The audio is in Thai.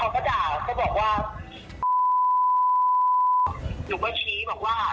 เค้าก็ด่าเค้าบอกว่า